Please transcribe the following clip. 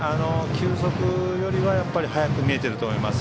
球速よりは速く見えていると思います。